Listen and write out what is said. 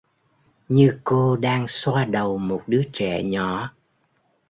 Như cô đang xoa đầu một đứa trẻ nhỏ